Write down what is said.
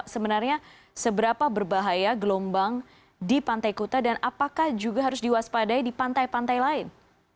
sebenarnya seberapa berbahaya gelombang di pantai kuta dan apakah juga harus diwaspadai di pantai pantai lain